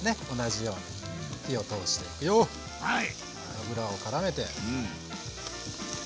油をからめて。